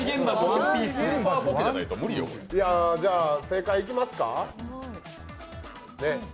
じゃあ正解いきますか？